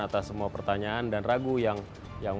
atas semua pertanyaan dan ragu yang